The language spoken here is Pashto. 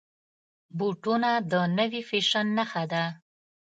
بوټونه د نوي فیشن نښه ده.